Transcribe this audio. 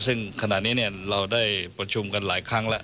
ซึ่งขณะนี้เราได้ประชุมกันหลายครั้งแล้ว